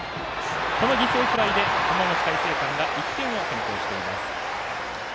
この犠牲フライで浜松開誠館が１点を先行しています。